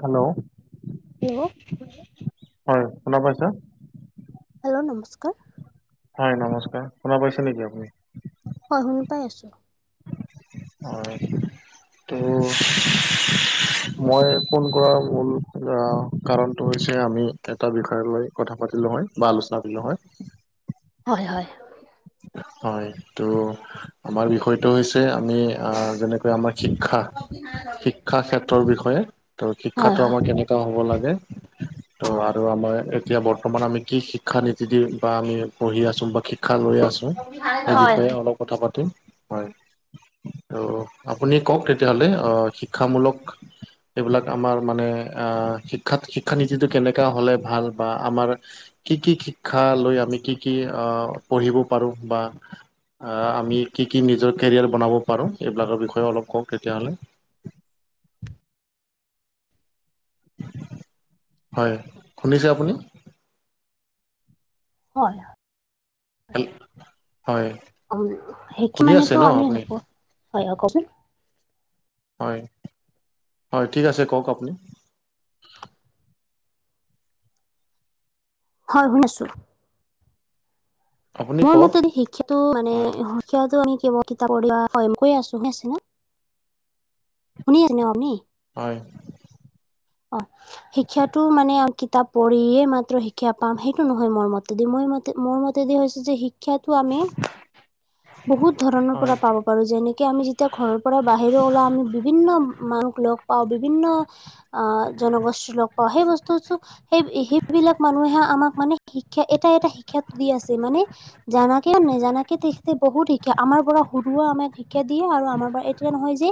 Hello hello হয় শুনা পাইছা? হেল্ল' নমস্কাৰ হয় নমস্কাৰ শুনা পাইছে নেকি আপুনি হয় শুনি পাই আছোঁ অয় তো মই ফোন কৰাৰ মূল আ কাৰণটো হৈছে আমি এটা বিষয় লৈ কথা পাতিলো হয় বা আলোচনা কৰিলো হয় হয় হয় হয় তো আমাৰ বিষয়টো হৈছে আমি আ যেনে- কৈ আমাৰ শিক্ষা শিক্ষা ক্ষেত্ৰৰ বিষয়ে ত হয় শিক্ষাটো হয় আমাৰ কেনেকা হ'ব লাগে ত আৰু আমাৰ এতিয়া বৰ্তমান আমি কি শিক্ষা নীতি দি বা আমি পঢ়ি আছো বা শিক্ষা লৈ আছো হয় সেই হয় বিষয়ে অলপ কথা পাতিম হয়। আৰু আপুনি কওক তেতিয়াহলে আহ শিক্ষামূলক এইবিলাক আমাৰ মানে আহ শিক্ষাত শিক্ষানীতিটো কেনেকা হ'লে ভাল বা আমাৰ কি কি শিক্ষা লৈ আমি কি কি আহ পঢ়িব পাৰো বা আহ, আমি কি-কি নিজৰ কেৰিয়াৰ বনাব পাৰো এইবিলাকৰ বিষয়ে অলপ কওক তেতিয়াহ'লে? হয় শুনিছে আপুনি? হয়। হয় অ, সেই কি শুনি আছে মানেটো ন আমি আপুনি হ'ব। হয় অ, কওকচোন? হয়-হয় ঠিক আছে কওক আপুনি? হয় শুনিছো। আপুনি মোৰ কওক মতে শিক্ষাটো মানে হয় শিক্ষাটো আমি কেৱ কিতাপ পঢ়ি বা সয় কৰি আছো আছে না [unintelligible] শুনি আছে ন আপুনি? হয়। অ', শিক্ষাটো মানে অ, কিতাপ পঢ়িয়ে মাত্ৰ শিক্ষা পাম সেইটো নহয় মোৰ মতেদি মই মত মোৰ মতেদি হৈছে যে শিক্ষাটো আমি বহুত ধৰণৰ হয় পৰা পাব পাৰো যেনেকে আমি যেতিয়া ঘৰৰ পৰা বাহিৰও ওলাও আমি বিভিন্ন মানুহ লগ পাও বিভিন্ন অ, জনগোষ্ঠীৰ লগ পাও সেই বস্তুটো সেই-সেইবিলাক মানুহে আমাক মানে শিক্ষা এটা-এটা শিক্ষা দি আছে মানে জানাকেও নাজানাকে তে বহুত শিক্ষা আমাৰ পৰা সৰুৱা আমাক শিক্ষা দিয়ে আৰু আমাৰ পৰা এতিয়া নহয় যে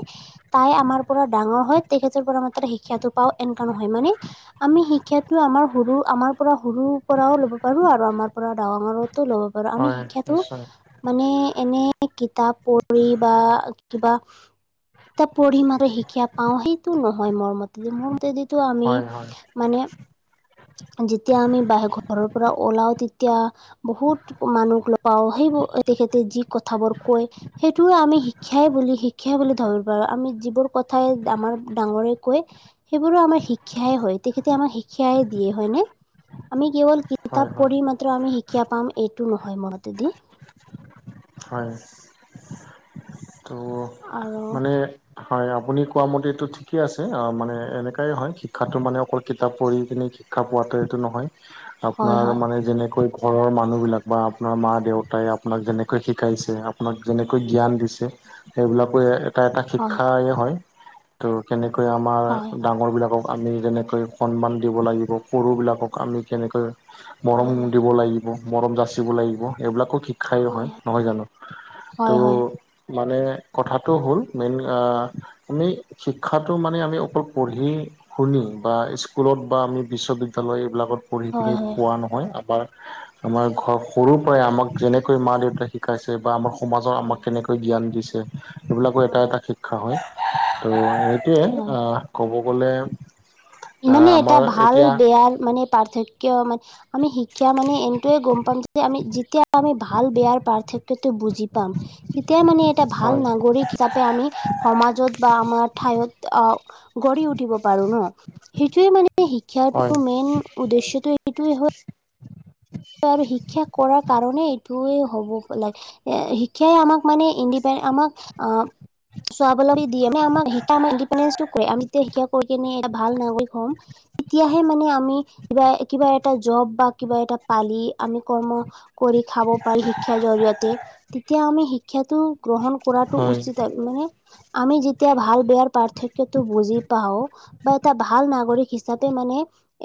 তাই আমাৰ পৰা ডাঙৰ হয় তেখেতৰ পৰা মাত্ৰ শিক্ষাটো পাও এনকা নহয় মানে আমি শিক্ষাটো আমাৰ সৰু আমাৰ পৰা সৰুৰ পৰাও ল'ব পাৰো আৰু আমাৰ পৰা ডাঙৰতও ল'ব পাৰো। ধৰ আমি হয় শিক্ষাটো নিশ্চয় মানে এনে কিতাপ পঢ়ি বা কিবা এটা পঢ়িম আৰু শিক্ষা পাও সেইটো নহয় মোৰ মতেদি মোৰ মতেদি টো আমি হয় হয় মানে যেতিয়া আমি বাহ ঘৰৰ পৰা ওলাও তেতিয়া বহুত মানুহ লগ পাও সেইবোৰ তেখেতে যি কথাবোৰ কয়। সেইটোৱে আমি শিক্ষাই বুলি-শিক্ষাই বুলি ধৰিব পাৰো আমি যিবোৰ কথাই আমাৰ ডাঙৰে কয়। সেইবোৰো আমাৰ শিক্ষাই হয় তেখেতে আমাক শিক্ষাই দিয়ে হয়নে আমি কেৱল হয় কিতাপ হয় পঢ়ি মাত্ৰ আমি শিক্ষ্যা পাম এইটো নহয় মনতে দি হয়। ত' আৰু মানে হয় আপুনি কোৱা মতে এইটো ঠিকে আছে আ মানে এনেকাই হয় শিক্ষাটো মানে অকল কিতাপ পঢ়ি কিনে কি শিক্ষা পোৱাটো এইটো নহয় হয় আপোনাৰ হয় মানে যেনেকৈ ঘৰৰ মানুহ বিলাক বা আপোনাৰ মা-দেউতাই আপোনাক যেনেকৈ শিকাইছে আপোনাক যেনেকৈ জ্ঞান দি ছে সেইবিলাকো এ এটা-এটা হয় শিক্ষাই হয়। তো কেনেকৈ আমাৰ হয়, ডাঙৰবিলাকক আমি যেনেকৈ সন্মান দিব লাগিব, সৰুবিলাকক আমি কেনেকৈ মৰম হয়, হয়, দিব লাগিব। মৰম যাচিব লাগিব এইবিলাকো শিক্ষাই হয়, নহয় জানো ত হয়, হয়, মানে কথাটো হ'ল মেইন আমি শিক্ষাটো মানে আমি অকল পঢ়ি শুনি বা স্কুলত বা আমি বিশ্ববিদ্যালয় এইবিলাকত পঢ়ি পিনি হয়, হয়, হয়। পোৱা নহয় আবাৰ আমাৰ ঘৰ সৰু পৰাই আমাক যেনেকৈ মা- দেউতা শি শিকাইছে বা আমাৰ সমাজত আমাক কেনেকৈ জ্ঞান দিছে। সেইবিলাকো হয়, এটা-এটা হয়, শিক্ষা হয় ত' এইটোৱে হয়, আহ ক'ব গ'লে আহ মানে এটা আমাৰ এতিয়া ভাল-বেয়াৰ মানে পাৰ্থক্য মান আমি শিক্ষা মানে এইটোয়ে গম পাম যে, আমি যেতিয়া আমি ভাল বেয়াৰ পাৰ্থক্যটো বুজি পাম। তেতিয়া মানে এটা ভাল হয় নাগৰিক হিচাপে আমি সমাজত বা আমাৰ ঠাইত আহ গঢ়ি উঠিব পাৰো ন। সেইটোৱে মানে হয় শিক্ষাটো মেইন উদ্দেশ্যটো এইটোয়ে হয়। আৰু শিক্ষা কৰাৰ কাৰণে এইটোয়ে হ'ব লাগে। শিক্ষাই আমাক মানে ইণ্ডিপেন আমাক আহ স্বাৱলম্বী দিয়ে ন আমাক আমাৰ ইনডিপেডেটো আমি শিক্ষা কৰি কিনে এটা ভাল নাগৰিক হ'ম। [unintelligible] তেতিয়াহে মানে আমি কিবা কিবা এটা জব বা কিবা এটা পালি আমি কৰ্ম কৰি খাব পাৰি শিক্ষাৰ জৰিয়তে। তেতিয়া আমি শিক্ষাটো গ্ৰহণ কৰাটো হয় উচিত আৰু মানে আমি যেতিয়া ভাল বেয়াৰ পাৰ্থক্যটো বুজি পাওঁ বা এটা ভাল নাগৰিক হিচাপে মানে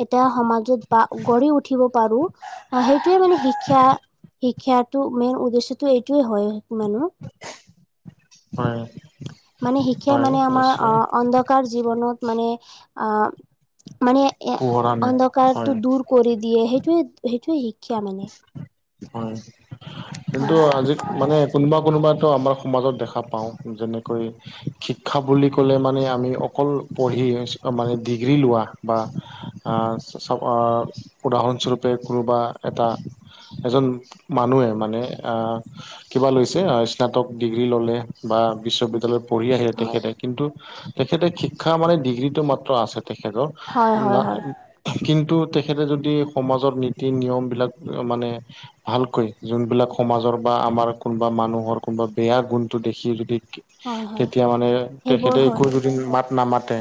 এটা সমাজত বা গঢ়ি উঠিব পাৰোঁ। আ সেইটোৱে মানে শিক্ষা শিক্ষাটো মেইন উদ্দেশ্যটো এইটোৱে হয় মানুহ। হয় মানে শিক্ষাই হয় মানে আমাৰ অ নিশ্চয় অনদক কাৰ জীৱনত মানে মানে পোহৰা নাই হয় অন্ধকাৰটো দূৰ কৰি দিয়ে সেইটোৱে সেইটোৱে শিক্ষা মানে। হয়, কিন্তুটো আজি মানে কোনবা কোনবাটো আমাৰ সমাজত দেখা পাওঁ যেনেকৈ শিক্ষা বুলি ক'লে মানে আমি অকল পঢ়ি মানে ডিগ্ৰী লোৱা বা আ চাবা উদাহৰণ স্বৰূপে কোনোবা এটা এজন মানুহে মানে আ কিবা লৈছে স্নাতক ডিগ্ৰী ল'লে বা বিশ্ববিদ্যালয়ত পঢ়ি আহিলে হয় তেখেতে। কিন্তু তেখেতে শিক্ষা মানে ডিগ্ৰীটো মাত্ৰ আছে তেখেতৰ। হয় হয় না হয় হয় কিন্তু তেখেতে যদি সমাজত নীতি-নিয়ম বিলাক মানে ভালকৈ যোনবিলাক সমাজৰ বা আমাৰ কোনবা মানুহৰ কোনোবা বেয়া গুণটো দেখি যদি হয় হয় তেতিয়া মানে সেইবোৰ তেখেতে হ'ল একো যদি মাত নামাতে,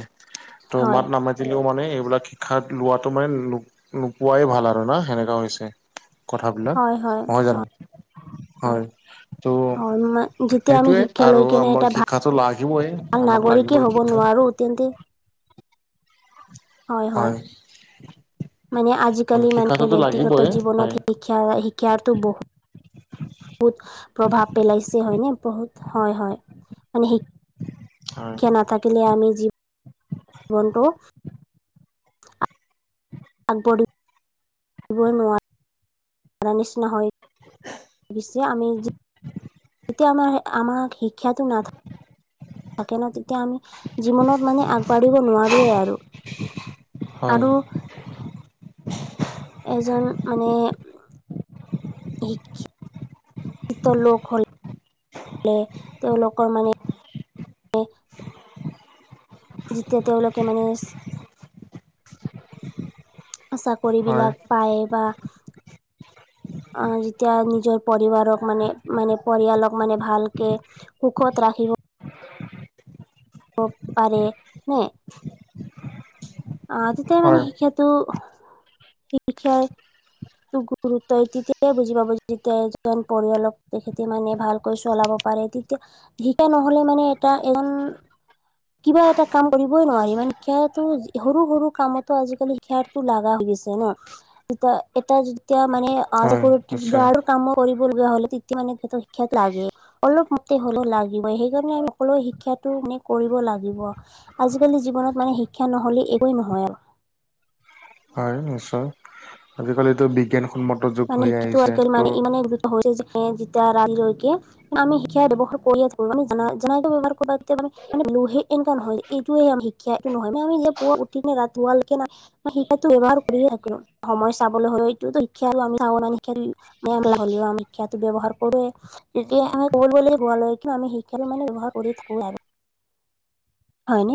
ত হয় মাত নামা তিলেও মানে এইবিলাক শিক্ষাত লোৱাটো মানে নো-নোপোৱাই ভাল আৰু না সেনেকা হৈছে। কথাবিলাক হয় হয় নহয় জানো, হয়। ত' হয় যেতিয়া আমি সেইটোৱে শিক্ষা আৰু লৈ কেনে আমাক এটা শিক্ষাটো লাগিবই, ভাল আমাক নাগৰিকে লাগিবই হ'ব শিক্ষা। নোৱাৰো তেন্তে হয়, হয়। মানে আজি-কালি মানে শিক্ষাটোতো ব্যক্তিগত লাগিবই জীৱনত হয় শিক ক্ষা শিক্ষাৰটো বহুত বহুত প্ৰভাৱ পেলাইছে হয় নে? বহুত হয় হয় মানে শি হয় ক্ষা নাথাকিলে আমি জী ৱনটো [inaudible] আগবঢ়ি ব নোৱা ৰা নিচিনা হয়। পিছে আমি যি এতিয়া আমাৰ আমাক শিক্ষাতো নাথাক নাথাকে ন তেতিয়া আমি জীৱনত মানে আগবাঢ়িব নোৱাৰোৱেই আৰু। হয়। আৰু এজন মানে শিক্ষি [unintelligible] শিক্ষিত লোক হ লে তেওঁলোকৰ মানে যেতিয়া তেওঁলোকে মানে হয় চাকৰিবিলাক পায় বা আ যেতিয়া নিজৰ পৰিবাৰক মানে মানে পৰিয়ালক মানে ভালকে সুখত ৰাখিব [unintelligible] পাৰে নে আ তেতিয়া মানে হয় শিক্ষাটো শিক্ষাৰ গুৰুত্ব তেতিয়াহে বুজি পাব যেতিয়া এজন পৰিয়ালক তেখেতে মানে ভালকৈ চলাব পাৰে তেতিয়া শিক্ষা নহ'লে মানে এটা এজন কিবা এটা কাম কৰিবই নোৱাৰি মানে শিক্ষাটো যি সৰু-সৰু কামতো আজি-কালি শিক্ষাটো লাগা হৈ গৈছে ন। এটা এতিয়া যেতিয়া মানে [unintelligible] অ হয় চিকৰটি নিশ্চয় গাৰডৰ কাম কৰিবলগীয়া হ'লে তেতিয়া মানে শিক্ষাটো লাগে। অলপমতে হলেও লাগিবই সেইকাৰণে আমি সকলো শিক্ষাটো মানে কৰিব লাগিব। আজিকালি জীৱনত মানে শিক্ষা নহ'লে একোৱেই নহয় আৰু। হয় নিশ্চয় আজিকালিতো বিজ্ঞানসন্মত যুগ মানে হৈ [unintelligible] আহিছে আজিকালি মানে ত' ইমানেই হৈছে যে যেতিয়া [unintelligible] লৈকে। [unintelligible] এইটোৱেই আমি শিক্ষা এইটো নহয় [unintelligible] মই শিক্ষাতো ব্যৱহাৰ কৰিয়েই থাকো, সময় চাবলৈ হ'লে এইটোতো- [unintelligible] তেতিয়া আমাৰ কব গলে হোৱা লৈকে আমি শিক্ষাটো মানে ব্যৱহাৰ কৰি থাকো আৰু। হয় নে